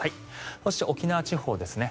そして、沖縄地方ですね。